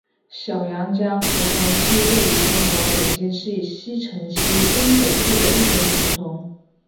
小杨家胡同是位于中国北京市西城区东北部的一条胡同。